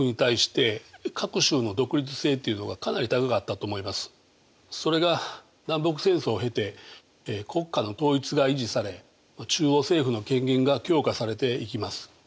建国以来それが南北戦争を経て国家の統一が維持され中央政府の権限が強化されていきます。